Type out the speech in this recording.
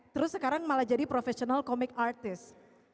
terus sekarang malah jadi profesional comic artist